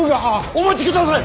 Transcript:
お待ちください！